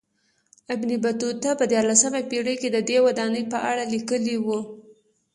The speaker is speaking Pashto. ابن بطوطه په دیارلسمه پېړۍ کې ددې ودانۍ په اړه لیکلي و.